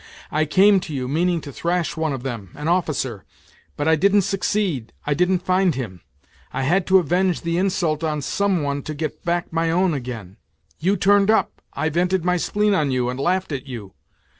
I came to you, meaning to thrash one of them, an officer; but I didn't succeed, I didn't find him; I had to avenge the insult on some one to get back my own again ; you turned up, I vented my spleen on you and laughed at you.